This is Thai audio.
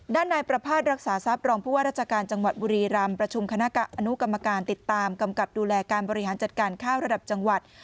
ด้านนายประภาษณ์รักษาทรัพย์รองผู้ว่าราชการจังหวัดบุรีรำประชุมคณะอนุกรรมการติดตามกำกับดูแลการบริหารจัดการข้าวระดับจังหวัด